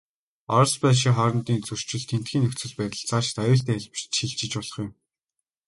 Орос, Польшийн хоорондын зөрчил, тэндхийн нөхцөл байдал, цаашид аюултай хэлбэрт шилжиж болох юм.